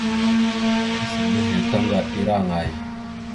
Ɓəza nehe taŋga ira aŋay?